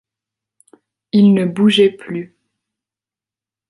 Il ne bougeait plus.